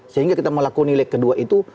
sehingga kita melakukan leg kedua itu